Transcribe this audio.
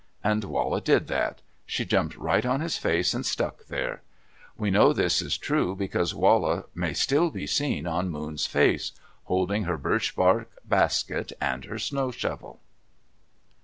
And Wala did that. She jumped right on his face and stuck there. We know this is true because Wala may still be seen on Moon's face, holding her birch bark baskets and her snow shovel.